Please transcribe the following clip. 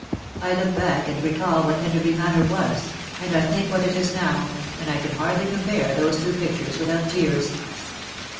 I look back and recall what Enderby Manor was, and I think what it is now, and I can hardly compare those two pictures without tears.